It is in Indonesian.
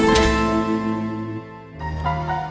klo diama gak masalah